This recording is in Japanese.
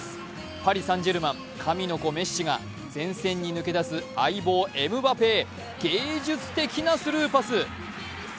パリ・サン＝ジェルマン、神の子・メッシが前線に抜け出す相棒・エムバペへ芸術的なスルーパス。